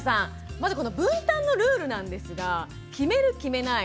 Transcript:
まずこの分担のルールなんですが決める決めない